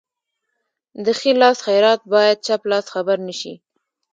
د ښي لاس خیرات باید چپ لاس خبر نشي.